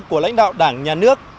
của lãnh đạo đảng nhà nước